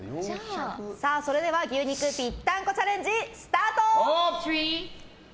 牛肉ぴったんこチャレンジスタート！